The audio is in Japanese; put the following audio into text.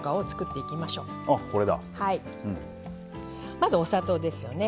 まずお砂糖ですよね。